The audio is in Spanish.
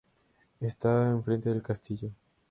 Está enfrente del castillo.